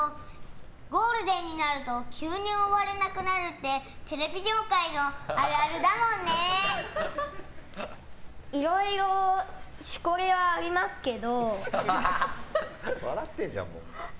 ゴールデンになると急に呼ばれなくなるってテレビ業界のあるあるだもんね。いろいろしこりはありますけど。